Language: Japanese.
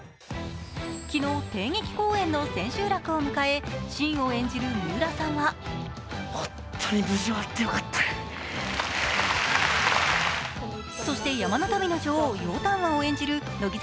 昨日、帝劇公演の千秋楽を迎え信を演じる三浦さんはそして、山の民の女王楊端和を演じる乃木坂